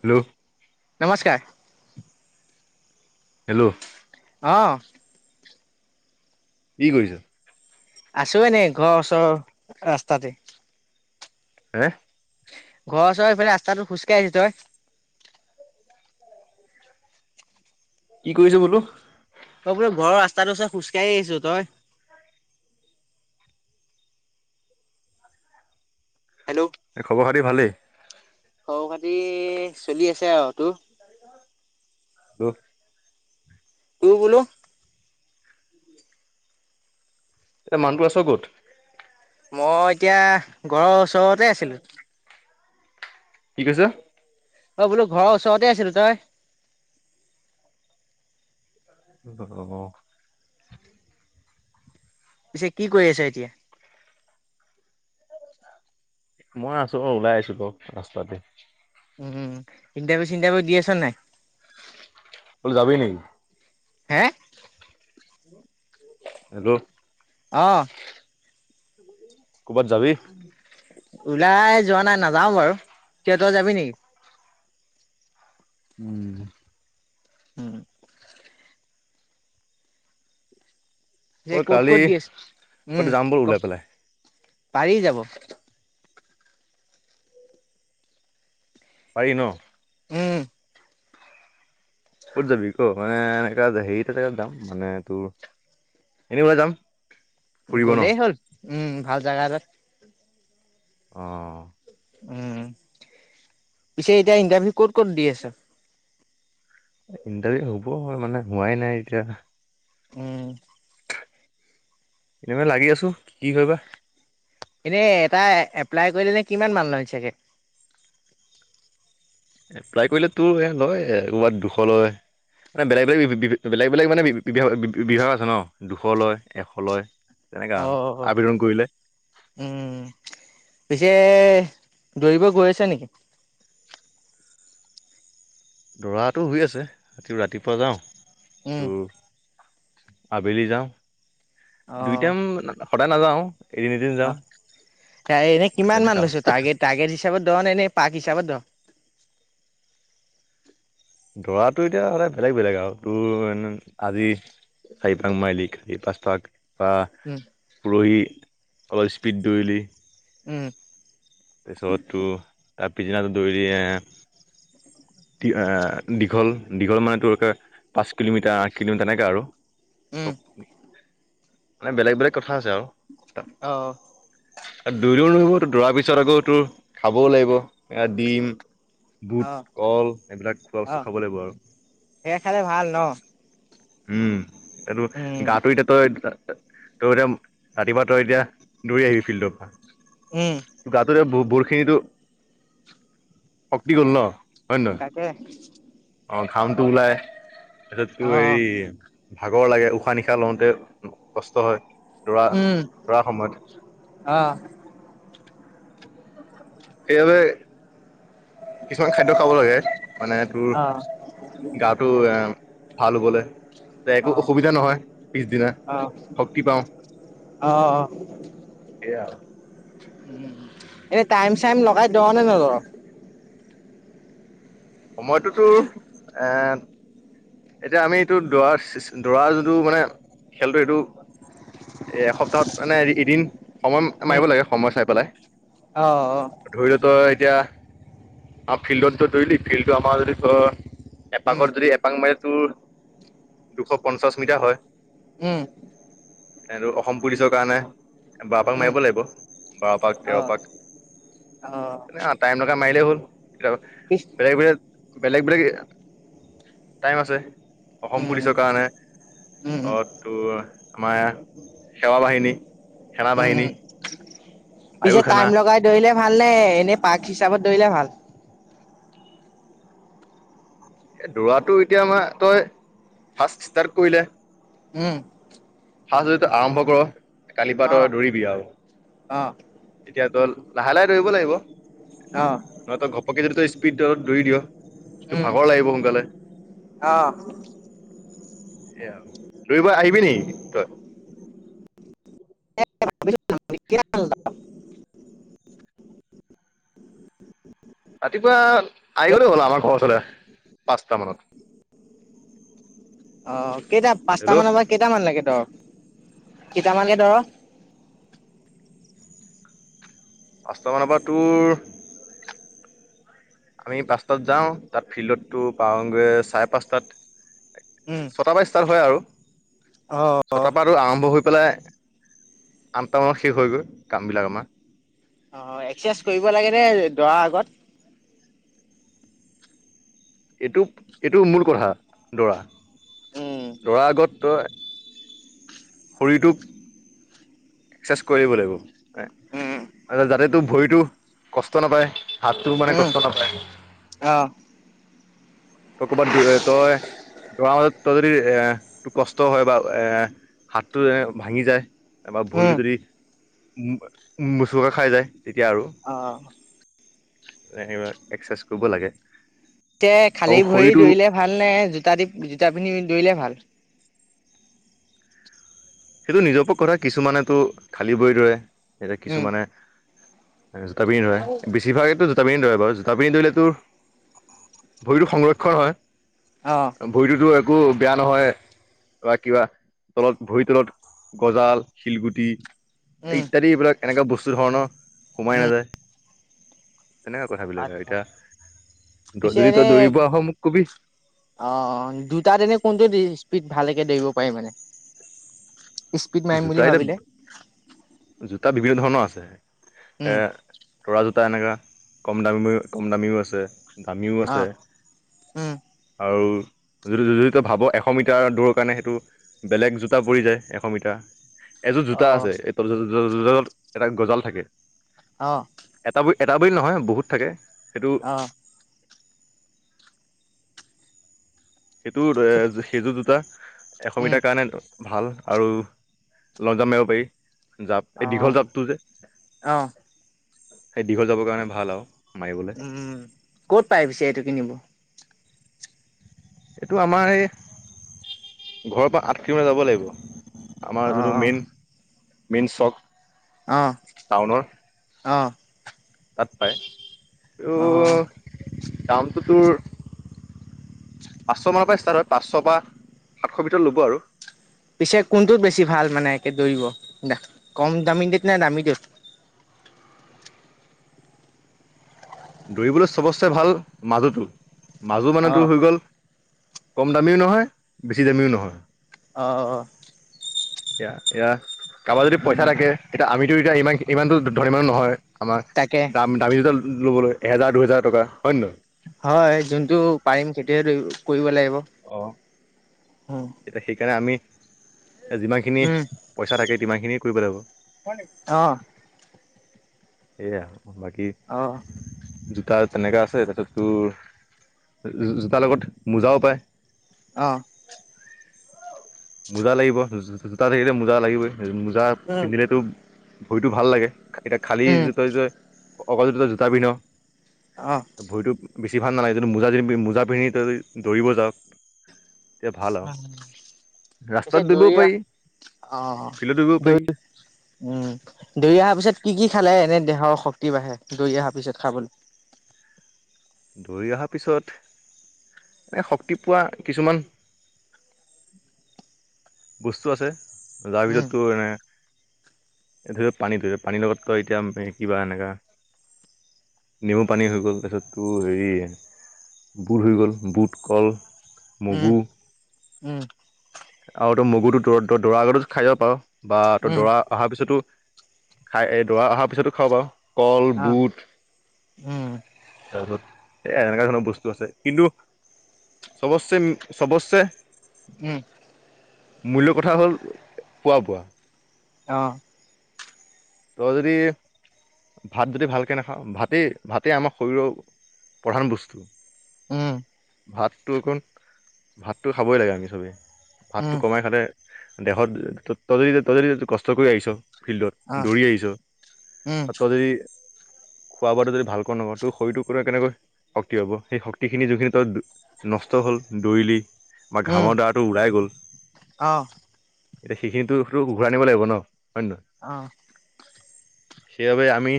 Hello নমস্কাৰ hello অ। কি কৰিছ আছোঁ এনেই ঘৰৰ ওচৰৰ ৰাস্তাতে। হে, ঘৰৰ ওচৰৰ এফালে ৰাস্তাটোত খোজ কাঢ়ি আহিছো তই কি কৰিছ বোলো অ বোলো ঘৰৰ ৰাস্তাটো ওচৰত খোজকাঢ়ি আহিছো। তই? হেল্ল' এই খবৰ খাতি ভালেই খবৰ খাতি চলি আছে আৰু তোৰ হেল্ল তোৰ বোলো? এতিয়া মানুহটো আছ ক'ত? মই এতিয়া ঘৰৰ ওচৰতে আছিলোঁ কি কৈছ? অ বোলো ঘৰৰ ওচৰতে আছিলো। তই, অ পিছে কি কৰি আছে এতিয়া মই আছো অ ওলাই আহিছো ক ৰাস্তাতে উম উম উম ইন্টাৰভিউ চিণ্টাৰভিউ দি আছনে। বল যাবি নেকি হে হেল্ল' অ ক'ৰবাত যাবি? ওলাই যোৱা নাই নাযাওঁ বাৰু। কিয় তই যাবি নেকি? উম। উম। পিছে মই ক'ত কালি ক'ত দি আছে ক'ত উম যাম বল ক ওলাই পেলাই পাৰি যাব পাৰি ন উম। ক'ত যাবি ক মানে এনেকুৱা হেৰি তাতে যাম মানে তোৰ এনে ওলাই যাম ফুৰিব ন গ'লেই হ'ল উম উম ভাল জাগা এটাত অ উম পিছে এতিয়া ইণ্টাৰভিউ ক'ত ক'ত দি আছে ইণ্টাৰভিউ হ'ব হয় মানে, হোৱাই নাই এতিয়া। উম এনেই মানে লাগি আছোঁ কি হয় বা। এনে এটা এপ্লাই কৰিলে কিমান মান লয় চাগে এপ্লাই কৰিলে তো লয় ক'বাত দুশ লয় মানে বেলেগ বেলেগ বেলেগ বেলেগ মানে বি বিভাগ বিভাগ আছে ন দুশ লয় এশ লয় তেনেকা অ আৰু অ অ আবেদন কৰিলে উম উম উম তে দৌৰিব গৈ আছে নেকি? দৌৰাটো হৈ আছে একদম ৰাতিপুৱা যাও উম তোৰ আবেলি যাও অ দুই টাইম স সদায় নাযাও। অ এনে কিমান মান তেনেকা আৰু লৈছ, টাৰ্গেট টাৰ্গেট হিচাপত। তই মানে এনে পাৰ্ক হিচাবত ধৰ দৌৰাটো এতিয়া সদায় বেলেগ বেলেগ আও তোৰ এনেই আজি। চাৰি পাক মাৰিলি এই পাচ পাক বা উম পৰহি, অলপ স্পীড দৌৰিলি উম, তাৰপিছতটোৰ তাৰপিছদিনাটো দৈৰি আহ এহ দীঘল- দীঘল মানে, তোৰ একে পাচ কিলোমিটাৰ, আঠ কিলোমিটাৰ তেনেকে আৰু। উম মানে, বেলেগ বেলেগ কথা আছে আও। ত, অ আৰু দৌৰিবলে বহুত দৌৰাৰ পিছত আকৌ তোৰ খাবও লাগিব। ডিম, বুট অ কল এইবিলাক খোৱা অ বস্তু খাব লাগিব আৰু। সেয়া খালে ভাল ন উম, এইটো উম গাটো এতিয়া তই তই, এতিয়া ৰাতিপুৱা তই এতিয়া দৌৰি আহিবি ফিল্ডৰ পৰা। উম গা টোৰ এতিয়া বহুত খিনি তোৰ শক্তি গ'ল ন? হয় নে নহয় তাকেহ, অ, ঘাম টো ওলাই, তাৰপিছত টো অ হেৰি ভাগৰ লাগে। উশাহ নিশাহ লওতে কষ্ট হয়। দৌৰা উম - দৌৰাৰ সময়ত অ সেই বাবেই কিছুমান খাদ্য খাব লাগে, মানে তোৰ অ গা তো বেয়া। ভাল হ'ব দে, তে একো অ অসুবিধা নহয় পিছদিনা শক্তি পাও। অ' অ' আৰু অ'। এ টাইম চাইম, লগাই ধৰ নে? নধৰ। সময়টোতো এ, এতিয়া আমি যিটো দৰাৰ - দৰা যিটো মানে খেলটো এইটো এসপ্তাহত মানে, এদিন সময়ত উম মাৰিব লাগে। সময় চাই পেলাই,। অ', - অ', তেতিয়া আৰু ফিল্ডত তই দৈৰিলি ফিল্ডটো আমাৰ যদি তই উম এপাকৰ যদি এপাক মা টোৰ দুশ পঞ্চাশ মিটাৰ হয়। উম, এনেও অসম পুলিচৰ কাৰণে বাৰপাক উম মাৰিব লাগিব। বাৰপাক অ তেৰপাক অ, টাইম লগাই মাৰিলেই হ'ল। কেতিয়া পিছ বেলেগ বেলেগ, বেলেগ বেলেগ। টাইম আছে। অসম উম পুলিচৰ কাৰণে,। উম উম অ, তোৰ আমাৰ সেৱা বাহিনী সেনা উম বাহিনী উম বায়ু পিছে, সেনা টাইম লগাই দৌৰিলে ভাল নে? এনে পাক হিচাপত দৌৰিলে ভাল। এই, দৌৰাটো এতিয়া আমাৰ তই ফাৰ্ষ্ট ষ্টাৰ্ট কৰি দে। উম, সচাই যদি তই আৰম্ভ কৰ কালি অ পৰা তই দৌৰিবি আৰু অ এতিয়া তোৰ লাহে লাহে দৌৰিব লাগিব। অ নহয় তই ঘপকে যদি তই স্পীড দৌৰত দৌৰি দিয়। তোৰ উম ভাগৰ লাগিব সোনকালে অ', সেয়া আৰু দৌৰিব আহিবি নেকি তই? ৰাতিপুৱা আহি গ'লে হ'ল আমাৰ ঘৰৰ ওচৰলে পাচটা মানত। অহ কেইটা পাঁচটা হেল্ল' মানৰ পৰা কেইটামান লাগে তো। কেইটামানকে দৌৰ। পাঁচটা মানৰ পৰা তোৰ। আমি পাঁচটাত যাওঁ তাত ফিল্ডটো তো পাওঁগৈ চাৰে পাঁচটাত। উম ছটাৰ পৰা ষ্টাৰ্ট হয় আৰু। অ অ ছটা পা আৰু আৰম্ভ হৈ। পেলাই আঠটা মানত শেষ হৈ গৈ কাম বিলাক আমাৰ। অহ এক্সাৰচাইজ কৰিব লাগে নে দৌৰাৰ আগত। এইটো এইটো মোৰ কথা দৌৰা। উম দৌৰাৰ আগত তই। শৰীৰটোক। এক্সাৰচাইজ কৰিব লাগিব উম মানে যাতে তোৰ ভৰিটো কষ্ট নাপায়। হাতটো মানে উম কষ্ট নাপায়। অ তই ক'ৰবাত দৌৰে তই দৌৰাত তৰ যদি এ কষ্ট হয় বা এ হাতটো যে ভাঙি যায় তাৰপৰা উম ভৰিটো যদি উ মোচাকা খাই যায় তেতিয়া আৰু অ সেইবিলাক এক্সাৰচাইজ কৰিব লাগে পিছে খালী আৰু ভৰি শৰীৰটো দৌৰিলে ভাল নে জোতা দি জোতা পিন্ধি দৌৰিলে ভাল? সেইটো নিজৰ ওপৰৰ কথা কিছুমানেতো খালী ভৰি দৰে এ উম, কিছুমানে জোতা পিন্ধি দৌৰে বেছিৰ ভাগেই ত জোতা পিন্ধি দৌৰে বাৰু তাৰপিনে ধৰিলে তোৰ ভৰিটো সংৰক্ষণ অ'। হয় ভৰিটোতো তো বেয়া নহয় বা কিবা তলত ভৰিৰ তলত গজাল শিলগুটি উম, এই ইত্যাদি এইবিলাক এনেকুৱা বস্তু ধৰণৰ সুমাই উম। নাযায় তেনেকুৱা কথাবিলাক আৰু আচ্ছা, এতিয়া। পিছে যদি তই এনে দৌৰিব আহ মোক কবি অ দুটাত এনে কোনটো দি? ভালকে দৌৰিব পাৰি মানে। স্পীড মাৰিম জোতা বুলি ভাবিলে? এতিয়া জোতা বিভিন্ন ধৰণৰ আছে উম, এ এটা এনেকুৱা কম দামী কম দামীও আছে। দামীও আছে অ', উম, আৰু য যদি তই ভাব এশ মিটাৰ দৌৰ কাৰণে সেইটো বেলেগ জোতা পৰি যায় এশ মিটাৰ। এযোৰ জোতা অ', আছে এই জো জো জোতাত এডাল গজাল থাকে। অ এটা এটা বুলি নহয় বহুত থাকে সেইটো অ'। সেইটো সেইযোৰ জোতা এশ উম, মিটাৰৰ কাৰণে ভাল আৰু লং জাম্প মাৰিব পাৰি। জাপ এই দীঘল অ', জাপটো যে, অ', সেই দীঘল জাপৰ কাৰণে ভাল আৰু। মাৰিবলৈ উম ক'ত পাই পিছে এইটো কিনিব? এইটো আমাৰ এই ঘৰৰ পৰা আঠ কিলোমিটাৰ যাব লাগিব। আমাৰ যোনটো অ', মেইন মেইন শপ। অঁ অঁ। তাত পাই, অ'। ত' দামটো তোৰ পাঁচশ মানৰ পৰা ষ্টাৰ্ট হয়। পাঁচশৰ পৰা সাতশৰ ভিতৰত ল'ব আৰু। পিছে কোনটোত বেছি ভাল মানে একে দৌৰিব দে কম দামী টোত নে দামী টোত? দৌৰিবলৈ সবচে ভাল মাজোটো মাজো মানে অ', তোৰ হৈ গ'ল। কম দামীও নহয় বেছি দামীও নহয়। অঁ। এয়া এয়া কাৰোবাৰ যদি পইচা উম, থাকে এতিয়া আমিতো এতিয়া ইমান ইমানতো ধনি মানুহ নহয়। আমাৰ তাকে। দাম- দামী জোতা ল'ব লাগিব এহেজাৰ দুহেজাৰ টকা। হয় নে নহয় হয় যোনটো পাৰিম খেতিয় কৰিব লাগিব অ। এয়া সেইকাৰণে আমি যিমানখিনি উম পইচা থাকে তিমানখিনিয়ে কৰিব লাগিব। অ' সেইয়া বাকী। অ তাৰ তেনেককা আছে তাতে তোৰ জোতাৰ লগত মোজাও পায়। অ। মোজা লাগিব জোতা থাকিলে মোজা লাগিবই মোজা উম পিন্ধিলেতো। ভৰিটো ভাল লাগে। খালী উম তই জই অকল জোতা পিন্ধ। অ ভৰিটো। বেছি ভাল নালাগে, যদি মোজা মোজা পিন্ধি তই যদি দৌৰিব যাওঁ। [unintelligible] পিছে দৌৰিব দৌৰি পাৰি অহ, ফিল্ডত দৌৰিব পাৰি উম ধৰি অহাৰ পিছত কি কি কি খালে এনে দেহৰ শক্তি বাঢ়ে দৌৰি অহাৰ পিছত খাবলে দৌৰি অহাৰ পিছত এনে শক্তি পোৱা কিছুমান বস্তু আছে। যাৰ উম ভিতৰত তোৰ এনে এ ধৰি লোৱা পানী ধৰিছোৱা পানীৰ লগতো এতিয়া কিবা এনেকা নেমু পানী হৈ গ'ল তাৰপিছত তোৰ হেৰি বুৰ হৈ গ'ল বুট কল উম মগু উম আৰু তই মগুটো দ দৌৰা আগতো খাই যাব পাৰো বা তই উম দৰা অহাৰ পিছতো খাই এই দৰা অহাৰ পিছতো খাওঁ বাৰু কল অ বুট উম তাৰছত এ এনেকুৱা ধৰণৰ বস্তু আছে কিন্তু চবশে উ চব্চে উম মূল্য কথা হ'ল খোৱা বোৱা আহ তই যদি ভাত যদি ভালকে নাখাওঁ ভাতেই ভাতেই আমাৰ শৰীৰৰ প্ৰধান বস্তু অহ ভাতটো অকণ ভাতটো খাবই লাগে আমি চবেই ভাতটো উম কমাই খালে দেহত তদদি তদদি কষ্ট কৰি আহিছ ফিল্ডত অ দৌৰি আহিছ উম আৰু তই যদি খোৱা বোৱাটো যদি ভালকৈ নহয় তোৰ শৰীৰটোৰ কেনেকৈ শক্তি হব সেই শক্তিখিনি যিখিনি ত নষ্ট হ'ল দৌৰিলি বা উম ঘামৰ দাৰটো ওলাই গ'ল অ এতিয়া সেইখিনিতোটো ঘূৰাইনিব লাগিব ন হয় নে নহয় অ সেইবাবে আমি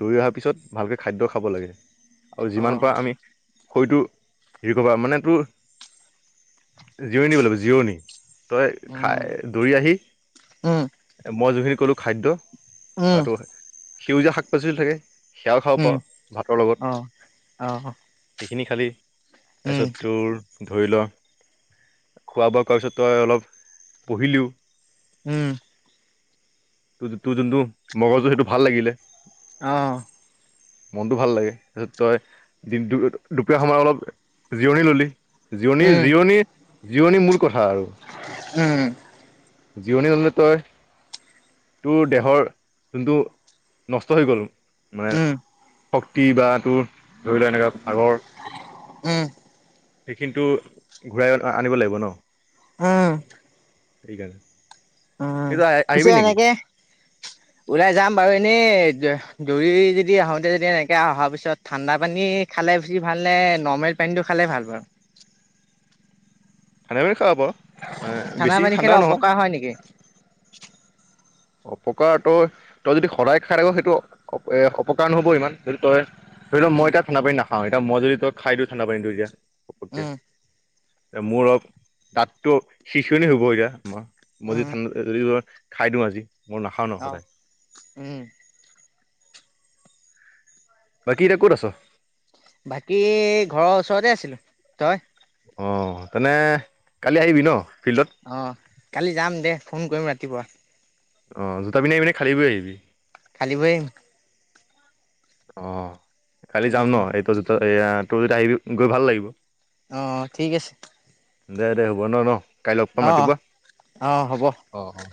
দৌৰি অহাৰ পিছত ভালকে খাদ্য খাব লাগে আৰু অ যিমান পাৰ আমি। শৰীৰটো ৰিকভাৰ মানে তোৰ জিৰণি লবি জিৰণি তই উম খাই দৌৰি আহি উম মই যোনখিনি কলো খাদ্য উম বাতো সেউজীয়া শাক পাচলি থাকে সেৱও খাওঁ উম পাওঁ ভাতৰ অ অ লগত কিনি খালি উম তাৰপিছত তোৰ ধৰি ল খোৱা বোৱা কৰোৱাৰ পিছত তই অলপ বহিলিও উম ত তোৰ যোনটো মগজু সেইটো ভাল লাগিলে অহ মনটো ভাল লাগে। তাৰপিছত তই দিনতো দু-দুপৰীয়া সময়ত অলপ জিৰণি ল'লি। জিৰণি উম জিৰণি জিৰণি মূল কথা আৰু। উম, জিৰণি নললে তই তোৰ দেহৰ যোনটো নষ্ট হৈ গ'ল মানে উম। শক্তি বা তোৰ, ধৰি লো এনেকা উম। সেইখিনিতো ঘূৰাই আনিব লাগিব ন। উম। এইকাৰণ। উম, পিছে এনেকে, ওলাই যাম বাৰু এনেই দৌৰি যদি আহোতে যেতিয়া এনেকে অহাৰ পিছত ঠাণ্ডা পানী খালে বেছি ভাল লাগে এ, নৰ্মেল পানীতটো খালে ভাল পাৱ। [unintelligible] হ'ব, অ, ঠাণ্ডা বেছি পানী খালে ঠাণ্ডাও নহয়। অপকাৰ হয় নেকি? অপকাৰ তই তই যদি সদায় খায় থাক সেইটো এ অপকাৰ নহব ইমান, যদি তই ধৰি ল উম, মই ইতা ঠাণ্ডা পানী নাখাওঁ। ইতা মই যদি তোৰ খাই দিওঁ ঠাণ্ডা পানীটো এতিয়া। উম। এ মোৰ অপ দাঁতটো সিচনি হ'ব এতিয়া। ম-মই যদি উম, ঠাণ্ডা [unintelligible] খাই দিওঁ আজি। মই নাখাওঁ ন অ', সদায়। উম, বাকী এতিয়া ক'ত আছ? বাকী ঘৰৰ ওচৰতে আছিলো। তই? অ, তেনে কালি আহিবি ন? ফিল্ডত অহ কালি যাম দে ফোন কৰিম ৰাতিপুৱা। অ জোতা পিন্ধি আহিবি নে খালি ভৰি আহিবি? খালী ভৰি আহিম। অ, কালি যাম ন? উম, এইটো যে তো-এয়া তইও যেতিয়া আহিবি গৈ ভাল লাগিব। অ, ঠিক আছে। দে-দে হ'ব, ন-ন কাই লগ পাম অ', ৰাতিপুৱা। অ', হ'ব। অ', অ'।